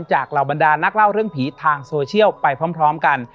เหล่าบรรดานักเล่าเรื่องผีทางโซเชียลไปพร้อมกัน